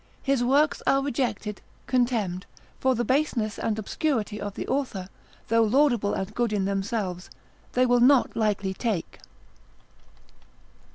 His works are rejected, contemned, for the baseness and obscurity of the author, though laudable and good in themselves, they will not likely take.